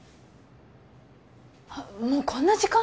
あっもうこんな時間？